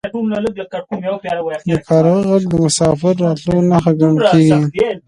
د کارغه غږ د مسافر د راتلو نښه ګڼل کیږي.